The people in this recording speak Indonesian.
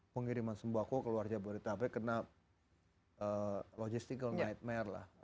pengiriman sembako ke luar jabodetabek kena logistical nightmare lah